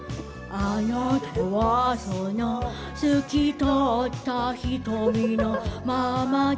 「あなたはその透き通った瞳のままで」